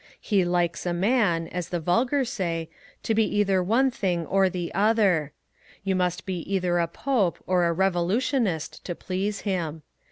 He likes a man, as the vulgar say, to be either one thing or the other. You must be either a Pope or a revolutionist to please him.